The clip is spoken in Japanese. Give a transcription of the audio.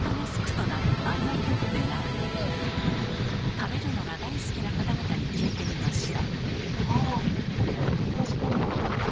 食べるのが大好きな方々に聞いてみました。